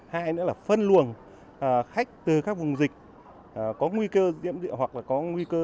hai nữa là phân luồng khách từ các vùng dịch có nguy cơ diễm dịa hoặc là có nguy cơ